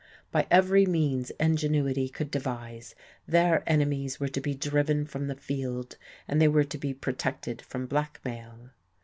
By every means ingenuity could devise, their enemies were to be driven from the field, and they were to be protected from blackmail.